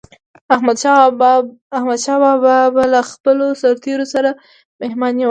احمدشاه بابا به له خپلو سرتېرو سره مهربان و.